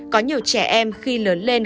có nhiều trẻ em khi lớn lên